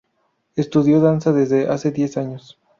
Estudió danza desde hace diez años.